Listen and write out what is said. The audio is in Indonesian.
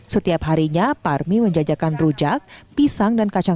setiap harinya parmi menjajakan rujak pisang dan kacang